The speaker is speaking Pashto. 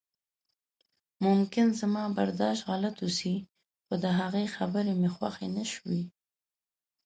ممکن زما برداشت غلط اوسي خو د هغې خبرې مې خوښې نشوې.